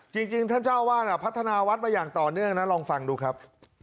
จริงท่านเจ้าวาดพัฒนาวัดมาอย่างต่อเนื่องนะลองฟังดูครับ